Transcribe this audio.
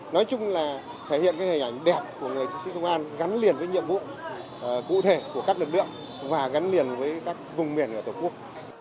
nói chung là thể hiện hình ảnh đẹp của người chiến sĩ công an gắn liền với nhiệm vụ cụ thể của các lực lượng và gắn liền với các vùng miền của tổ quốc